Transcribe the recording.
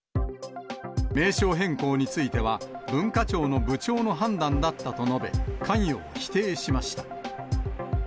名称変更については、文化庁の部長の判断だったと述べ、関与を否定しました。